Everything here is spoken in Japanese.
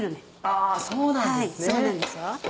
あそうなんですね。